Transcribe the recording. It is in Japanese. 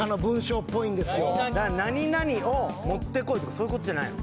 「何々を持って来い」とかそういうことじゃないの？